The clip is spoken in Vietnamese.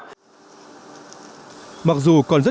mặc dù còn rất nhiều doanh nghiệp